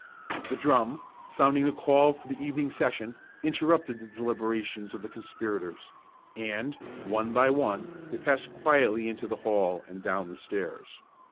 The drum, sounding the call for the evening session, interrupted the deliberations of the conspirators; and, one by one, they passed quietly into the hall and down the stairs.